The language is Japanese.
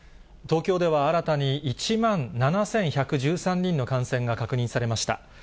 東京では新たに１万７１１３人の感染が確認されました。